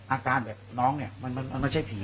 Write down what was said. อาการแบบน้องมันใช้ผี